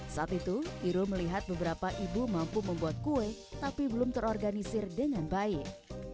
saat itu irul melihat beberapa ibu mampu membuat kue tapi belum terorganisir dengan baik